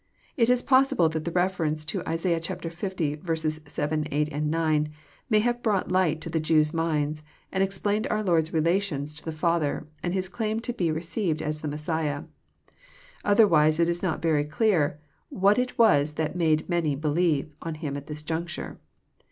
It is possible that the reference to Isai. 1. 7, 8, 9, may have brought Jigbt to the Jews' minds, and explained our lK>rd's relation to the Father, and His claim to l>e received as the Messiah. — Other wise it is not very clear what it was that made *' many beiievo*' on Him at this juncture.